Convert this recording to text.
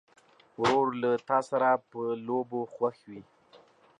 ورور له تا سره په لوبو خوښ وي.